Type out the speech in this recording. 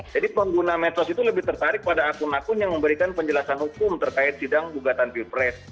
jadi pengguna medsos itu lebih tertarik pada akun akun yang memberikan penjelasan hukum terkait sidang gugatan pilpres